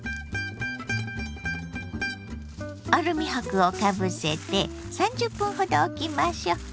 アルミ箔をかぶせて３０分ほどおきましょう。